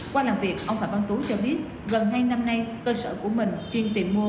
qua làm việc ông phạm văn tú cho biết gần hai năm nay cơ sở của mình chuyên tìm mua